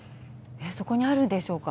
そこにあるんでしょうか？